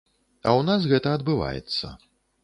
А ў нас гэта адбываецца.